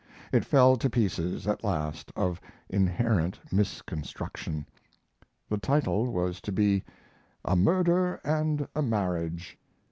It fell to pieces, at last, of inherent misconstruction. The title was to be, "A Murder and a Marriage."